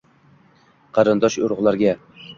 Qarindosh-urugʼlarga: